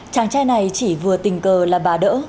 chàng trai này chỉ vừa tình cờ là bà đỡ